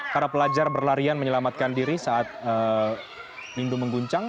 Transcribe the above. para pelajar berlarian menyelamatkan diri saat rindu mengguncang